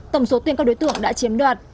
tổng số tuyến cao đối tượng đã chiếm đoạt